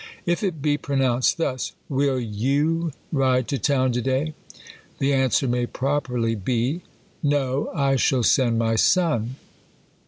If it be pronounced thus ; Will you ride to town to day ? the answer may properly be. No ; I shall send my son.